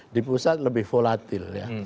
di pusat lebih volatil ya